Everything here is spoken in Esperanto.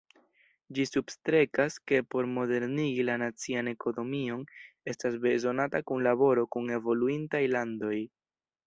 Ĝi substrekas, ke por modernigi la nacian ekonomion estas bezonata kunlaboro kun evoluintaj landoj.